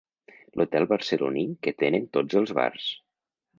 L'hotel barceloní que tenen tots els bars.